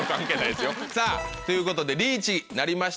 さぁということでリーチなりました。